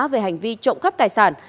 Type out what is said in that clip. về hành vi trộm cắp tài sản